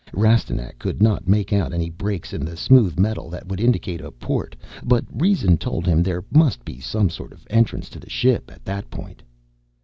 Rastignac could not make out any breaks in the smooth metal that would indicate a port, but reason told him there must be some sort of entrance to the ship at that point.